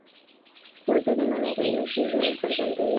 وزې د ناروغۍ نښې ژر څرګندوي